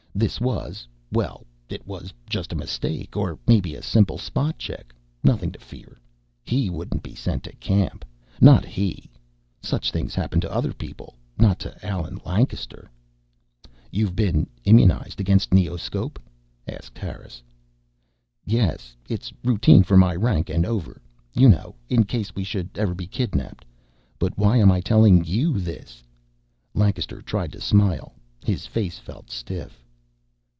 This was well, it was just a mistake. Or maybe a simple spot check. Nothing to fear. He wouldn't be sent to camp not he. Such things happened to other people, not to Allen Lancaster. "You've been immunized against neoscop?" asked Harris. "Yes. It's routine for my rank and over, you know. In case we should ever be kidnapped but why am I telling you this?" Lancaster tried to smile. His face felt stiff.